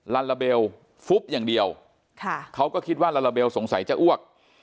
ลาลาเบลฟุบอย่างเดียวเขาก็คิดว่าลาลาเบลสงสัยจะอ้วก